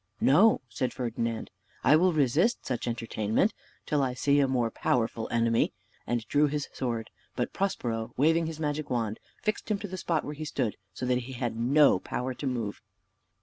"No," said Ferdinand, "I will resist such entertainment, till I see a more powerful enemy," and drew his sword; but Prospero, waving his magic wand, fixed him to the spot where he stood, so that he had no power to move.